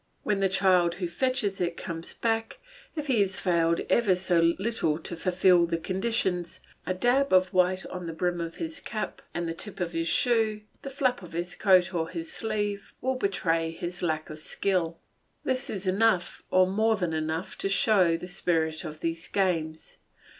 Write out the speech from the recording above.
When the child who fetches it comes back, if he has failed ever so little to fulfil the conditions, a dab of white on the brim of his cap, the tip of his shoe, the flap of his coat or his sleeve, will betray his lack of skill. This is enough, or more than enough, to show the spirit of these games.